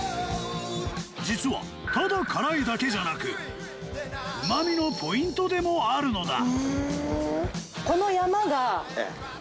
実はただ辛いだけじゃなくうまみのポイントでもあるのだ